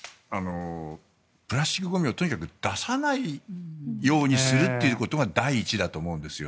プラスチックゴミをとにかく出さないようにするということが第一だと思うんですよ。